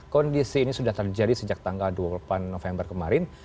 kondisi ini sudah terjadi sejak tanggal dua puluh delapan november kemarin